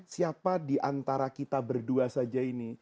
siapa diantara kita berdua saja ini